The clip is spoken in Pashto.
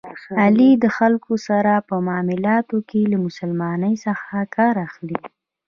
علي د خلکو سره په معاملاتو کې له مسلمانی څخه کار اخلي.